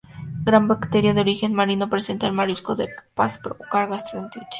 Gran bacteria de origen marino presente en el marisco y capaz de provocar gastroenteritis.